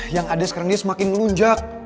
yang ada sekarang ini semakin melunjak